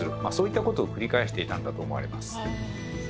まあそういったことを繰り返していたんだと思われます。